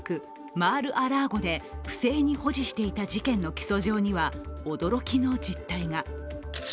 マール・ア・ラーゴで不正に保持していた事件の起訴状には驚きの実態が。